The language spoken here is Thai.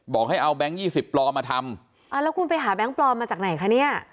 บอกให้เอาแก๊งยี่สิบปลอมมาทำอ่าแล้วคุณไปหาแบงค์ปลอมมาจากไหนคะเนี่ย